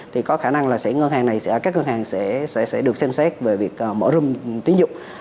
thì có khả năng các ngân hàng sẽ được xem xét về việc mở rung tín dụng